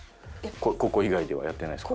ここ以外ではやってないですか？